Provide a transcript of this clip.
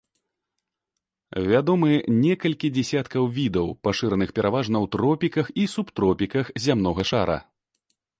Вядомы некалькі дзясяткаў відаў, пашыраных пераважна ў тропіках і субтропіках зямнога шара.